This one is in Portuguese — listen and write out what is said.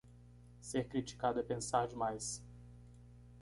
Ser criticado é pensar demais